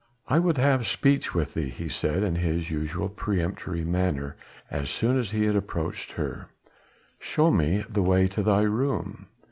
"I would have speech with thee," he said in his usual peremptory manner as soon as he had approached her, "show me the way to thy room."